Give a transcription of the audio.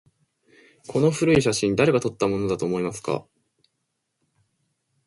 この古い写真、誰が撮ったものだと思いますか？